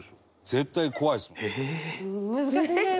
絶対怖いですもん。